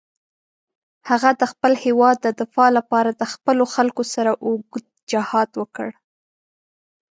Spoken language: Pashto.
هغه د خپل هېواد د دفاع لپاره د خپلو خلکو سره اوږد جهاد وکړ.